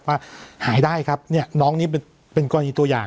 ว่าหายได้ครับเนี่ยน้องนี่เป็นกรณีตัวอย่าง